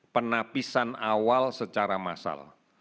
penapisan awal secara massal